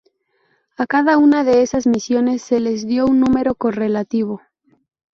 A cada una de esas misiones, se le dio un número correlativo.